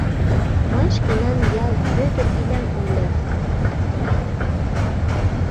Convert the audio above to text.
Мый шкенан ял Вӧдыр Илям ойлем.